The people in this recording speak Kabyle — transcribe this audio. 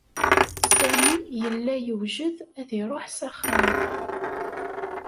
Sami yella yewjed ad iṛuḥ s axxam.